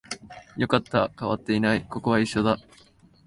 よかった、変わっていない、ここは一緒だ